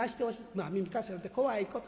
「まあ耳貸すやなんて怖いこと。